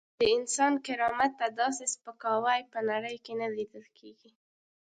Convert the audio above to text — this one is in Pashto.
د انسان کرامت ته داسې سپکاوی په نړۍ کې نه لیدل کېږي.